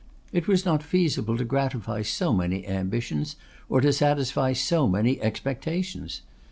It was not feasible to gratify so many ambitions, or to satisfy so many expectations.